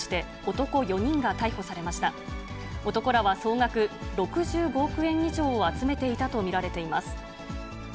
男らは総額６５億円以上を集めていたと見られています。